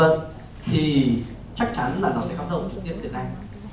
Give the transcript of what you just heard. thì chắc chắn là nó sẽ có hậu trung nghiệp việt nam